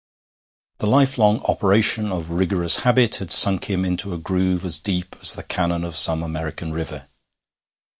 The lifelong operation of rigorous habit had sunk him into a groove as deep as the canon of some American river.